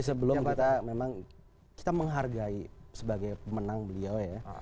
sebelum kita memang kita menghargai sebagai pemenang beliau ya